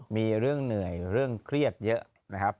มีเรื่องเหนื่อยเรื่องเครียดเยอะนะครับ